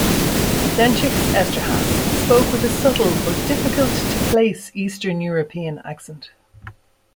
Dencik's Esterhase spoke with a subtle but difficult-to-place Eastern European accent.